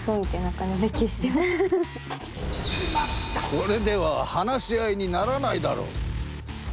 これでは話し合いにならないだろう！